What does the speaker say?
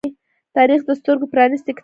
تاریخ د سترگو پرانیستی کتاب دی.